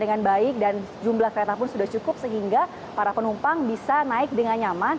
dan jumlah kereta pun sudah cukup sehingga para penumpang bisa naik dengan nyaman